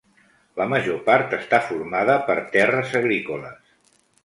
La major part està formada per terres agrícoles.